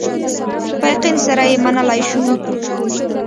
په یقین سره یې منلای شو.